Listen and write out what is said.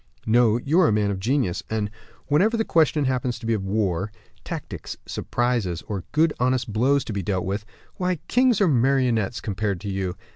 "No; you are a man of genius; and whenever the question happens to be of war, tactics, surprises, or good honest blows to be dealt with, why, kings are marionettes, compared to you.